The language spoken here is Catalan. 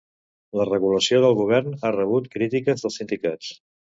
La regulació del govern ha rebut crítiques dels sindicats